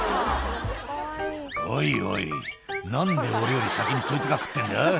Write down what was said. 「おいおい何で俺より先にそいつが食ってんだ？」